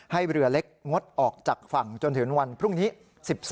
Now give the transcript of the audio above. เรือเล็กงดออกจากฝั่งจนถึงวันพรุ่งนี้๑๒